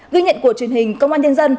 ghi nhận của truyền hình công an nhân dân